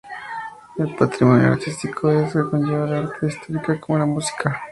El patrimonio artístico es que conlleva a la arte histórica como la música.